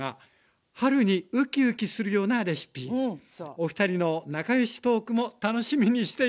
おふたりの仲良しトークも楽しみにしています！